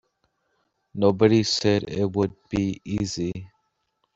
Nobody said it would be easy.